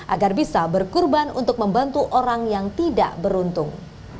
agar bisa berkurban untuk membantu orang yang tidak beruntung